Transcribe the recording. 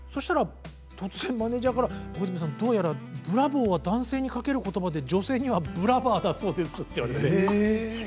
突然マネージャーからどうやらブラボーは男性にかけることばで女性にはブラバーだそうですと。